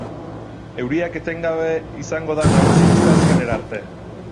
Euriak etengabe izango da nagusi asteazkenerarte.